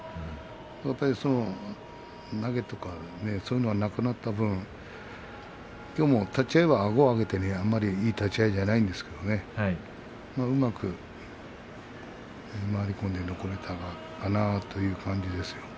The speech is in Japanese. やっぱり投げとかそういうのがなくなった分きょうも立ち合いはあごを上げてあまりいい立ち合いじゃないんですがうまく回り込んで残れたのかなという感じですよ。